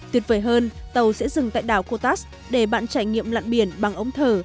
tuyệt vời hơn tàu sẽ dừng tại đảo cô tát để bạn trải nghiệm lặn biển bằng ống thở